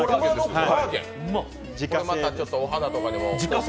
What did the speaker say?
これまたちょっとお肌とかにも。